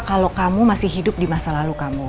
kalau kamu masih hidup di masa lalu kamu